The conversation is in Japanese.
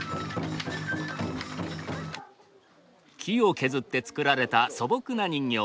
木を削って作られた素朴な人形。